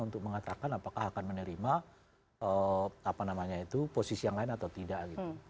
untuk mengatakan apakah akan menerima posisi yang lain atau tidak